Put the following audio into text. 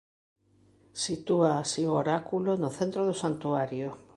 Sitúa así o oráculo no centro do santuario.